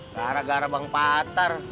gara gara bang patar